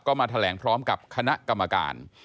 ก็มาแถลงพร้อมกับคณะกรรมการ